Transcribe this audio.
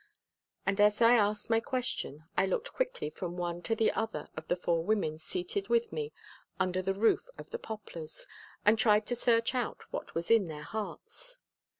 And as I asked my question I looked quickly from one to the other of the four women seated with me under the roof of the Poplars and tried to search out what was in their hearts.